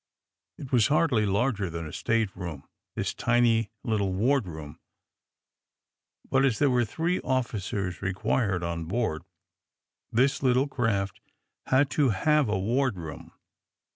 It was hardly larger than a stateroom, this tiny little wardroom, but as there were three offi cers required on board, this little craft had to have a wardroom.